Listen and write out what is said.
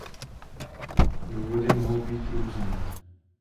Důvody mohou být různé.